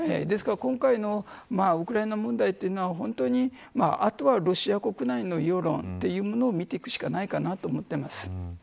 ですから今回のウクライナ問題というのはあとはロシア国内の世論というものを見ていくしかないと思っています。